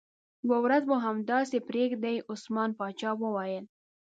یوه ورځ به مو همداسې پرېږدي، عثمان باچا وویل.